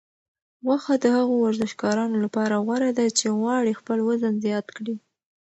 غوښه د هغو ورزشکارانو لپاره غوره ده چې غواړي خپل وزن زیات کړي.